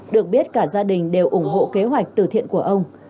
được biết cả gia đình đều ủng hộ kế hoạch từ thiện của ông